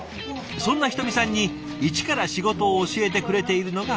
そんな人見さんに一から仕事を教えてくれているのがこの方。